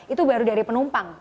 itu baru dari penumpang